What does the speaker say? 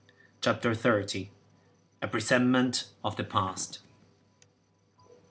CHAPTER THIRTY. A PRESENTMENT OF THE PAST.